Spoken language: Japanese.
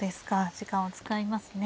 時間を使いますね。